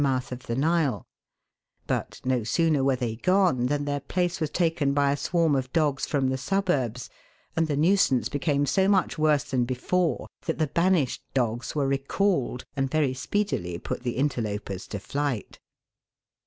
mouth of the Nile ; but no sooner were they gone than their place was taken by a swarm of dogs from the suburbs, and the nuisance became so much worse than before, that the banished dogs were recalled and very speedily put the interlopers to flight.